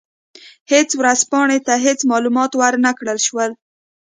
هېڅ ورځپاڼې ته هېڅ معلومات ور نه کړل شول.